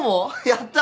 やった。